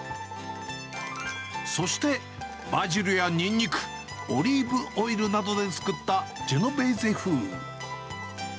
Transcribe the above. そして、バジルやにんにく、オリーブオイルなどで作ったジェノベーゼ風。